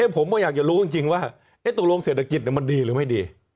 ผมก็อยากจะรู้จริงว่าตกลงเศรษฐกิจมันดีหรือไม่ดี